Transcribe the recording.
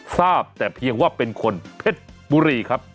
ทราบแต่เพียงว่าเป็นคนเพชรบุรีครับ